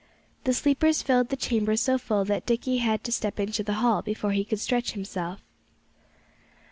The sleepers filled the chamber so full that Dickie had to step into the hall before he could stretch himself.